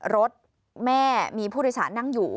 รถแม่มีผู้โดยสารนั่งอยู่